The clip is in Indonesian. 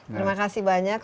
terima kasih banyak